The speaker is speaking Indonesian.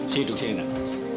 si hidup sini nak